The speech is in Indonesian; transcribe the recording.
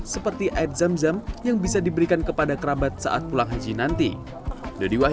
seperti adzamzam yang bisa dilakukan sehari hari dalam waktu kemarin di masjid selesai selama dua bulan